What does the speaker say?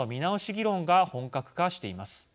議論が本格化しています。